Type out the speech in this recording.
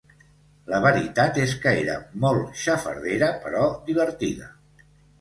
La veritat és que era molt xafardera però divertida.